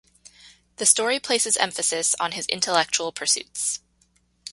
The story places emphasis on his intellectual pursuits.